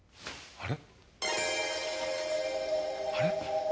あれ？